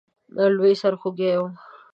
لوی سرخوږی وو.